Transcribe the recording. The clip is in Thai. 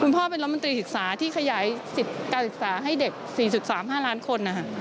พ่อเป็นรัฐมนตรีศึกษาที่ขยายสิทธิ์การศึกษาให้เด็ก๔๓๕ล้านคน